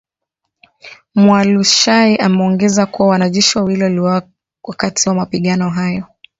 Mualushayi ameongeza kuwa, wanajeshi wawili waliuawa wakati wa mapigano hayo